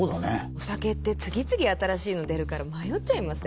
お酒って次々新しいの出るから迷っちゃいません？